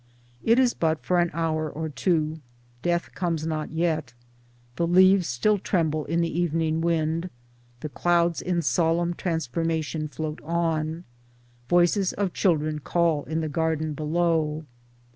It is but for an hour or two. Death comes not yet. The leaves still tremble in the evening wind, the clouds in solemn transformation float on, voices of children call in the garden below.